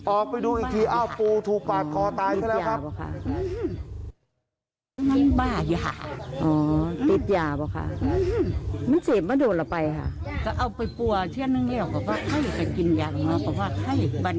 ออกไปดูอีกทีอ้าวปูถูกปาดคอตายซะแล้วครับ